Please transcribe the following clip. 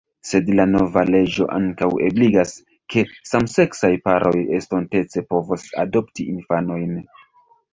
Sed la nova leĝo ankaŭ ebligas, ke samseksaj paroj estontece povos adopti infanojn.